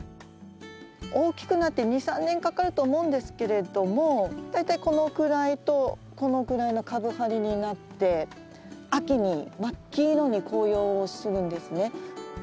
大きくなって２３年かかると思うんですけれども大体このくらいとこのくらいの株張りになって秋に真っ黄色に紅葉をするんですね。